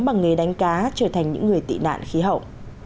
bằng nghề đánh cá trở thành những người tị nạn khí hậu